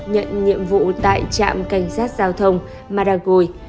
nhận nhiệm vụ tại trạm cảnh sát giao thông madagoi